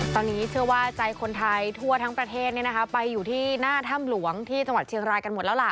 ตอนนี้เชื่อว่าใจคนไทยทั่วทั้งประเทศไปอยู่ที่หน้าถ้ำหลวงที่จังหวัดเชียงรายกันหมดแล้วล่ะ